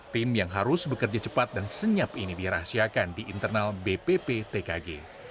tim yang harus bekerja cepat dan senyap ini dirahasiakan di internal bpptkg